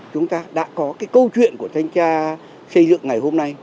chúng ta đã có cái câu chuyện của thanh tra xây dựng ngày hôm nay